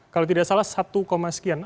kalau tidak salah satu sekian